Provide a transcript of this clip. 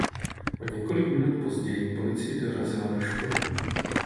O několik minut později policie dorazila do školy.